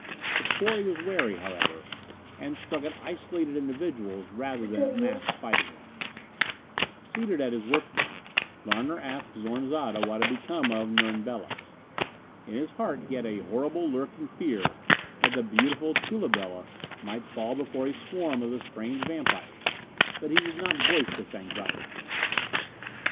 The quarry was wary, however, and struck at isolated individuals rather than massed fighting lines. Seated at his work bench Larner asked Zorn Zada what had become of Nern Bela. In his heart he had a horrible lurking fear that the beautiful Tula Bela might fall before a swarm of the strange vampires, but he did not voice this anxiety.